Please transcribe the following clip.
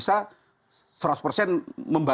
agung sudah ada